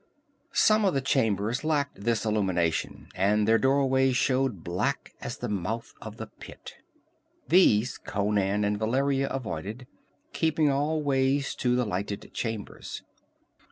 Some of the chambers lacked this illumination, and their doorways showed black as the mouth of the Pit. These Conan and Valeria avoided, keeping always to the lighted chambers.